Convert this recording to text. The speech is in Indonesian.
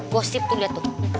gossip tuh lihat tuh